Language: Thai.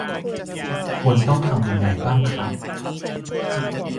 ควรต้องทำยังไงบ้างครับ?